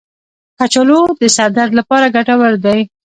کچالو د سر درد لپاره ګټور دی.